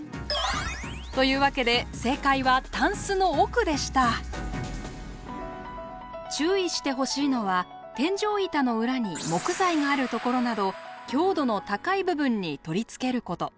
というわけで注意してほしいのは天井板の裏に木材があるところなど強度の高い部分に取り付けること。